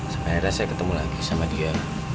sampai ada saya ketemu lagi sama dia